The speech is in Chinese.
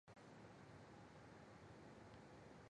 托马塔尔是奥地利萨尔茨堡州隆高县的一个市镇。